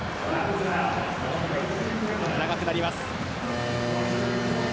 長くなります。